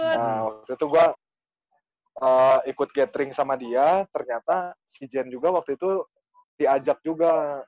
nah waktu itu gue ikut gathering sama dia ternyata si jan juga waktu itu diajak juga